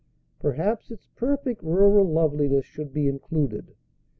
Perhaps its perfect rural loveliness should be included.